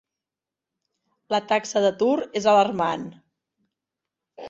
La taxa d'atur és alarmant.